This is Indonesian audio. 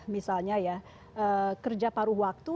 misalnya ya kerja paruh waktu